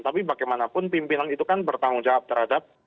tapi bagaimanapun pimpinan itu kan bertanggung jawab terhadap